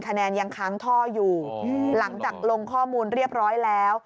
ยังค้างท่ออยู่หลังจากลงข้อมูลเรียบร้อยแล้ว